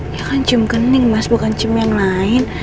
ya kan cium kening mas bukan cium yang lain